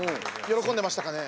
喜んでましたかね？